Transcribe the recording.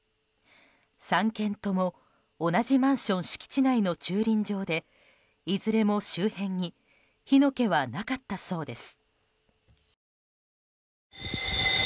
３件とも同じマンション敷地内の駐輪場でいずれも周辺に火の気はなかったそうです。